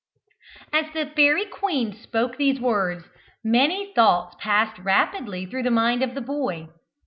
As the fairy queen spoke these words, many thoughts passed rapidly through the mind of the boy.